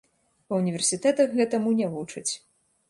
Ва ўніверсітэтах гэтаму не вучаць.